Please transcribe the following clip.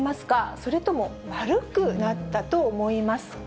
それとも悪くなったと思いますか？